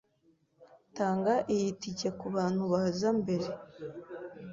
Tanga iyi tike kubantu baza mbere.